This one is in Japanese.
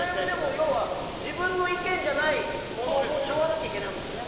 要は自分の意見じゃないものも背負わなきゃいけないわけですね。